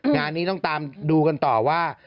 งานนี้ต้องตามดูกันต่อว่า